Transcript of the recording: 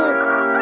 udah tidur dah